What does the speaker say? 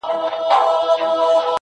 زه سم پء اور کړېږم ستا په محبت شېرينې~